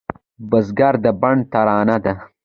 بزګر د بڼ ترانه ده